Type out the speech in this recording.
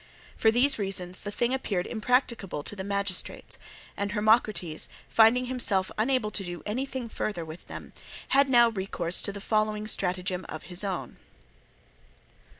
For these reasons the thing appeared impracticable to the magistrates; and Hermocrates, finding himself unable to do anything further with them, had now recourse to the following stratagem of his own.